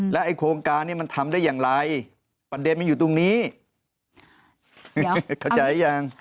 แล้วไอ้โครงการเนี่ยมันทำได้อย่างไรปัญญาณมันอยู่ตรงนี้เข้าใจยัง